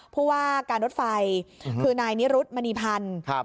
พูดว่าการลดไฟคือนายนิรุธมณีพันธุ์